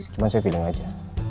cuma saya feeling aja